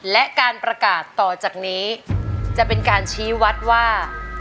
และการประกาศต่อจากนี้จะเป็นการชี้วัดว่า